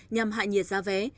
nhằm hại nhiệt giá vé